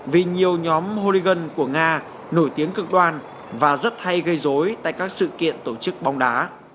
vì nhiều nhóm holigan của nga nổi tiếng cực đoan và rất hay gây dối tại các sự kiện tổ chức bóng đá